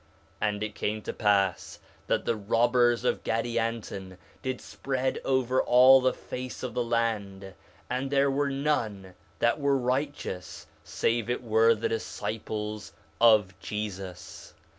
4 Nephi 1:46 And it came to pass that the robbers of Gadianton did spread over all the face of the land; and there were none that were righteous save it were the disciples of Jesus.